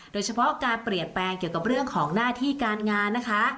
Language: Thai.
โดยเฉพาะการเปลี่ยนแปลงเกี่ยวกับเรื่องของหน้าที่การงานนะคะ